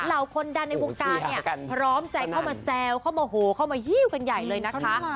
เหล่าคนดันในวงการเนี่ยพร้อมใจเข้ามาแซวเข้ามาโหเข้ามาฮิ้วกันใหญ่เลยนะคะ